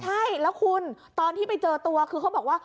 ใช่แล้วคุณตอนที่ไปเจอตัวคือเขาบอกว่า